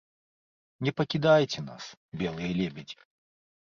Не пакідайце нас, белыя лебедзі.